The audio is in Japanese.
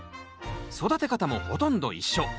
育て方もほとんど一緒。